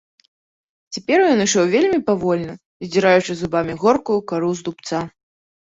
Цяпер ён ішоў вельмі павольна, здзіраючы зубамі горкую кару з дубца.